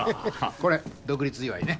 これ独立祝いね。